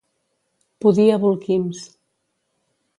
Pudir a bolquims.